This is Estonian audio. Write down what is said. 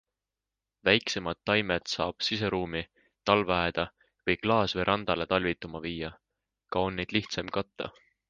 Väiksemad taimed saab siseruumi, talveaeda või klaasverandale talvituma viia, ka on neid lihtsam katta.